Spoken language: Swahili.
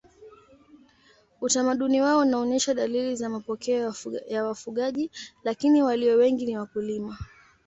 Utamaduni wao unaonyesha dalili za mapokeo ya wafugaji lakini walio wengi ni wakulima.